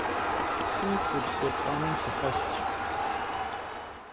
Se kurs yêplh'anem sıxesş.